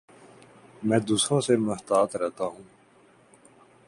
میں دوسروں سے محتاط رہتا ہوں